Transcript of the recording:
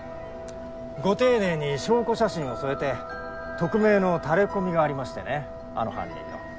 ご丁寧に証拠写真を添えて匿名のタレコミがありましてねあの犯人の。